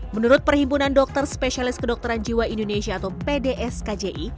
menurut perhimpunan dokter spesialis kedokteran jiwa indonesia atau pdskji